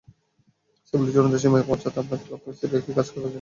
সাফল্যের চূড়ান্ত সীমায় পৌঁছাতে আপনাকে লক্ষ্য স্থির রেখে কাজ করে যেতে হবে।